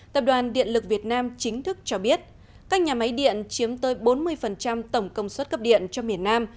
tập đoàn điện lực việt nam chính thức cho biết các nhà máy điện chiếm tới bốn mươi tổng công suất cấp điện cho miền nam